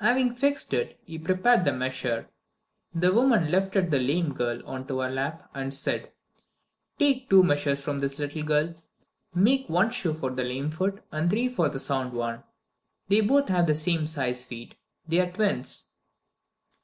Having fixed it, he prepared the measure. The woman lifted the lame girl on to her lap and said: "Take two measures from this little girl. Make one shoe for the lame foot and three for the sound one. They both have the same size feet. They are twins."